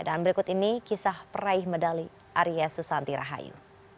dan berikut ini kisah peraih medali ari susanti rahayu